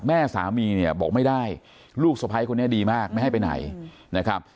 แม่สามีเนี่ยบอกไม่ได้ลูกสะพ้ายคนนี้ดีมากไม่ให้ไปไหนนะครับ